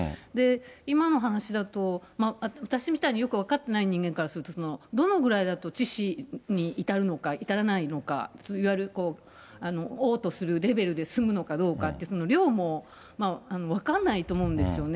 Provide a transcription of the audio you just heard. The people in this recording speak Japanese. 今の話だと、私みたいによく分かってない人間からすると、どのぐらいだと致死に至るのか、至らないのかという、いわゆるおう吐するレベルで済むのかどうかって、量も分かんないと思うんですよね。